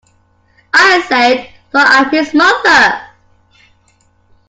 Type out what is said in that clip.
I say it, though I am his mother.